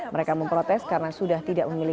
mereka memprotes karena sudah tidak memiliki